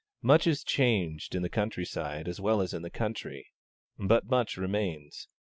Much is changed, in the country side as well as in the country; but much remains.